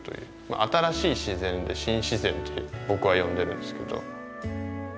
新しい自然で「新自然」って僕は呼んでるんですけど。